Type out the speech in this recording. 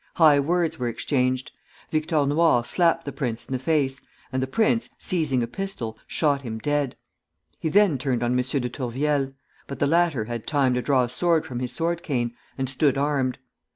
High words were exchanged. Victor Noir slapped the prince in the face, and the prince, seizing a pistol, shot him dead. He then turned on M. de Tourvielle; but the latter had time to draw a sword from his sword cane, and stood armed.